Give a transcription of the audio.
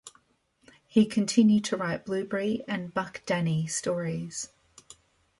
He continued to write "Blueberry" and "Buck Danny" stories.